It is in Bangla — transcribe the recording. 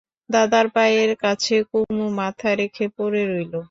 দাদার পায়ের কাছে কুমু মাথা রেখে পড়ে রইল।